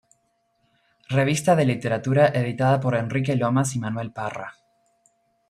Revista de literatura" editada por Enrique Lomas y Manuel Parra.